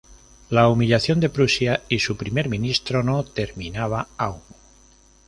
La humillación de Prusia y su primer ministro no terminaba aún.